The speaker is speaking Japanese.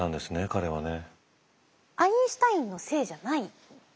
彼はね。